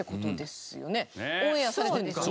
オンエアされてるんですよね？